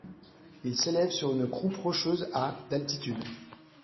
Il s'élève sur une croupe rocheuse à d'altitude.